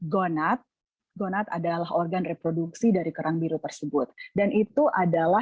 gonad adalah organ reproduksi dari kerang biru tersebut dan itu adalah efek pada